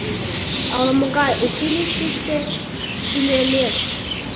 Ала-могай училищыште тунемеш.